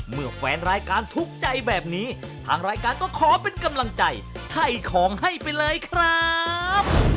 เมื่อแฟนรายการทุกข์ใจแบบนี้ทางรายการก็ขอเป็นกำลังใจไถ่ของให้ไปเลยครับ